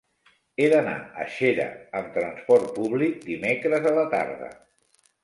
He d'anar a Xera amb transport públic dimecres a la tarda.